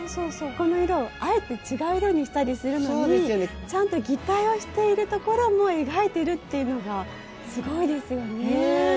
ここの色をあえて違う色にしたりするのにちゃんと擬態をしているところも描いてるっていうのがすごいですよね。ねぇ！